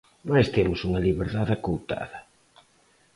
Mais temos unha liberdade acoutada.